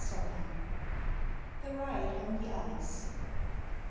XVIII. THE RIDE ON THE ICE.